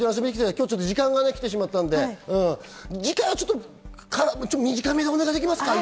今日は時間が来てしまったので、次回はもうちょっと短めでお願いできますか？